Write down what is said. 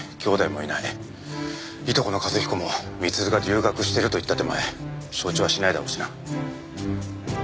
いとこの一彦も光留が留学してると言った手前承知はしないだろうしな。